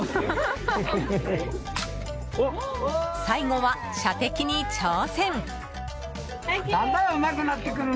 最後は射的に挑戦。